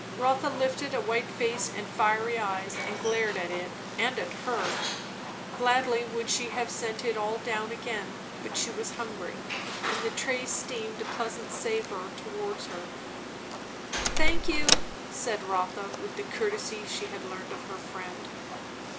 Rotha lifted a white face and fiery eyes, and glared at it and at her. Gladly would she have sent it all down again; but she was hungry, and the tray steamed a pleasant savour towards her. "Thank you," said Rotha, with the courtesy she had learned of her friend.